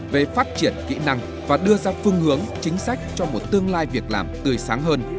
về phát triển kỹ năng và đưa ra phương hướng chính sách cho một tương lai việc làm tươi sáng hơn